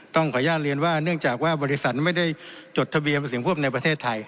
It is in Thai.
ขออนุญาตเรียนว่าเนื่องจากว่าบริษัทไม่ได้จดทะเบียนเป็นเสียงพวกในประเทศไทย